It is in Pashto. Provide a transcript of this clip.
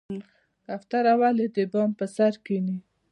کوتره ولې د بام پر سر کیني؟